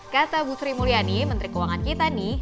kata butri mulyani menteri keuangan kita nih